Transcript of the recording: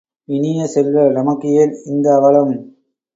இனிய செல்வ நமக்கு ஏன் இந்த அவலம்?